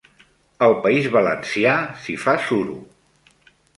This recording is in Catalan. Al País Valencià s'hi fa suro.